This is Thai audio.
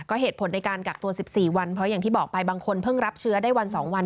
ก็เหตุผลในการกักตัว๑๔วันเพราะอย่างที่บอกไปบางคนเพิ่งรับเชื้อได้วัน๒วัน